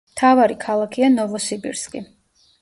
მთავარი ქალაქია ნოვოსიბირსკი.